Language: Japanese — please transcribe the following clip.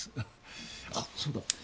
あっそうだ。